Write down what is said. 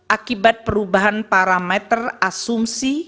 akibat perubahan parameter asumsi